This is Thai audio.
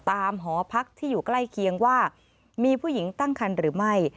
หอพักที่อยู่ใกล้เคียงว่ามีผู้หญิงตั้งคันหรือไม่